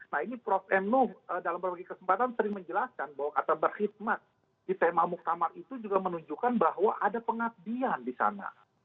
nah ini prof m nuh dalam berbagai kesempatan sering menjelaskan bahwa kata berkhidmat di tema muktamar itu juga menunjukkan bahwa ada pengabdian di sana